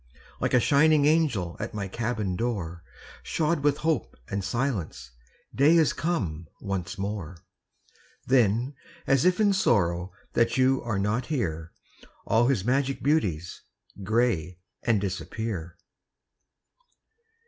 Like a shining angel At my cabin door, Shod with hope and silence, Day is come once more. Then, as if in sorrow That you are not here, All his magic beauties Gray and disappear.